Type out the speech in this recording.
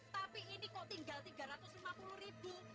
tapi ini kok tinggal tiga ratus lima puluh ribu